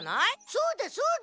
そうだそうだ！